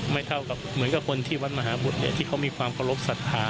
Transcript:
เท่ากับเหมือนกับคนที่วัดมหาบุตรที่เขามีความเคารพสัทธา